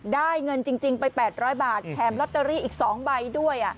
ได้เงินจริงไป๘๐๐บาทแถมลอตเตอรี่อีก๒ใบด้วย